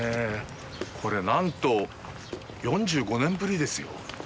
これ、なんと４５年ぶりですよ！